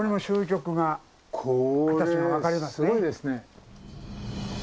これすごいですね。